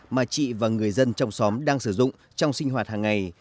mà chị và người dân trong xóm đang sử dụng trong sinh hoạt hàng ngày